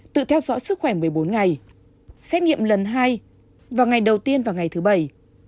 tự theo dõi sức khỏe một mươi bốn ngày xét nghiệm lần hai vào ngày đầu tiên và ngày thứ bảy